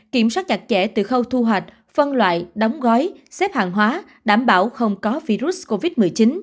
kiểm soát chặt chẽ từ khâu thu hoạch phân loại đóng gói xếp hàng hóa đảm bảo không có virus covid một mươi chín